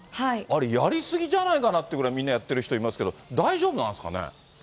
あれ、やり過ぎじゃないかなってぐらいみんなやってる人いますけど、大丈夫なんですかね？